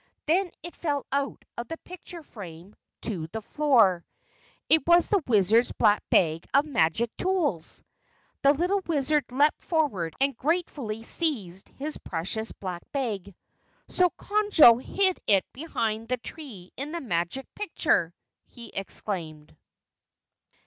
Then it fell out of the picture frame to the floor. It was the Wizard's Black Bag of Magic Tools! The Little Wizard leaped forward and gratefully seized his precious Black Bag. "So Conjo hid it behind the tree in the Magic Picture!" he exclaimed.